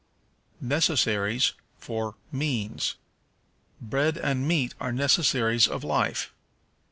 Necessaries for Means. "Bread and meat are necessaries of life."